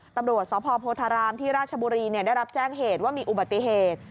ตำรวจสพโพธารามที่ราชบุรีได้รับแจ้งเหตุว่ามีอุบัติเหตุ